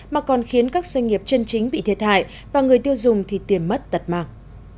mà còn khiến các doanh nghiệp chân chính bị thiệt hại và người tiêu dùng thì tiền mất tật mạng